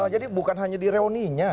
jadi bukan hanya di reuninya